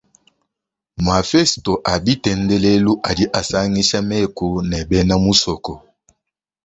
Mafesto a bitendelelu adi asangisha mêku ne bena musoko.